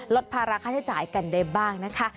ลดภาระค่าใช้จ่ายกันได้บ้างนะคะ